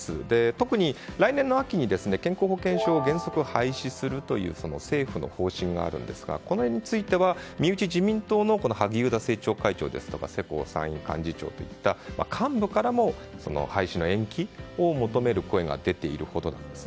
特に来年の秋に健康保険証を原則廃止するという政府の方針があるんですがこの辺については身内自民党の萩生田政調会長ですとか世耕参院幹事長といった幹部からも廃止の延期を求める声が出ているほどなんです。